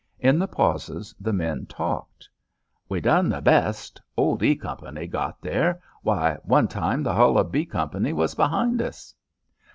In the pauses the men talked. "We done the best. Old E Company got there. Why, one time the hull of B Company was behind us."